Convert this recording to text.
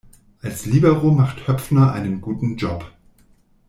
Als Libero macht Höpfner einen guten Job.